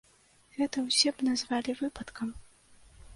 Гэта ўсе б назвалі выпадкам.